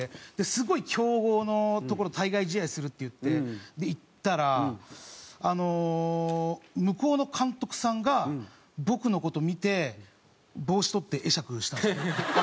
すごい強豪のところと対外試合するっていって行ったらあの向こうの監督さんが僕の事見て帽子取って会釈したんですよ。